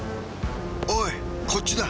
おいこっちだ。